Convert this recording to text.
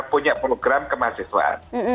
punya program kemahasiswaan